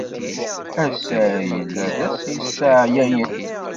Ass-a yella-d d ass yesseɛyayen.